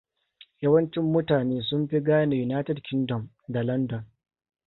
Yawanci mutane sun fi gane United Kingdom da London.